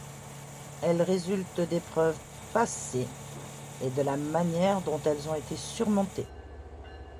Elle résulte d’épreuves passées et de la manière dont elles ont été surmontées.